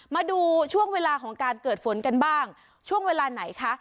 มาดูช่วงเวลาของการเกิดฝนกันบ้างช่วงเวลาไหนคะ